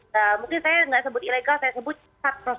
nah kenapa saya tidak sebut ilegal saya sebut satu pros